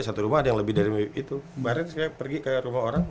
baru itu kemarin saya pergi ke rumah orang